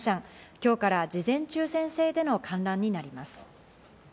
今日から事前抽選制での観覧になります。